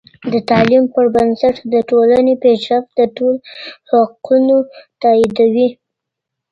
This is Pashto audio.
د تعلیم پر بنسټ د ټولنې پیشرفت د ټولو حقونه تاییدوي.